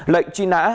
lệnh truy nã